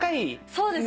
そうですね。